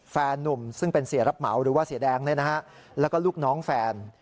แฟนนุ่มซึ่งเป็นเสียรับเหมาหรือว่าเสียแดงแล้วก็ลูกน้องแฟน